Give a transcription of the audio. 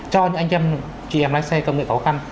cho những anh chị em lái xe công nghệ có khó khăn